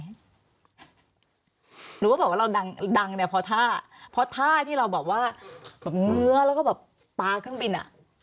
หรือว่าเราดังเนี่ยเพราะท่าเพราะท่าที่เราเงื้อแล้วก็ปลาเครื่องบิน